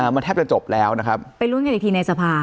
ไปลุ้นกันอีกทีในสภา